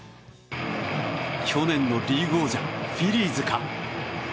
去年のリーグ王者フィリーズか。